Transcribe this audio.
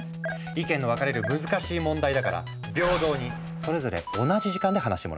意見の分かれる難しい問題だから平等にそれぞれ同じ時間で話してもらうよ。